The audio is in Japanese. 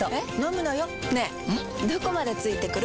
どこまで付いてくる？